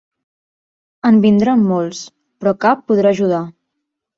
En vindran molts, però cap podrà ajudar.